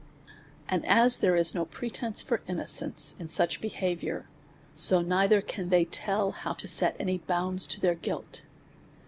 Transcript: And as there is no pretence for innocence in such a behaviour, so neither can they tell how to set any bounds to their guilt.